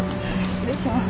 失礼します。